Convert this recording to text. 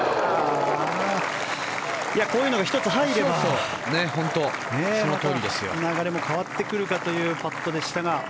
こういうのが１つ入れば流れも変わってくるパットでしたが。